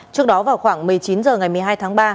trước đó vào khoảng một mươi chín h ngày một mươi hai tháng ba